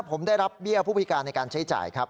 ผมได้รับเบี้ยผู้พิการในการใช้จ่ายครับ